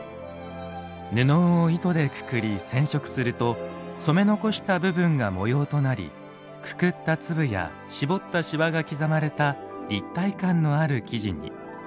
布を糸でくくり染色すると染め残した部分が模様となりくくった粒や絞ったシワが刻まれた立体感のある生地に。